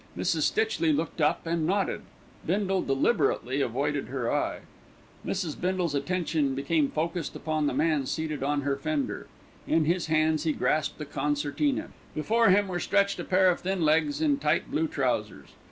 Mrs. Stitchley looked up and nodded. Bindle deliberately avoided her eye. Mrs. Bindle's attention became focussed upon the man seated on her fender. In his hands he grasped a concertina, before him were stretched a pair of thin legs in tight blue trousers.